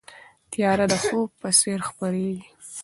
تیاره د خوب په څېر خپرېږي.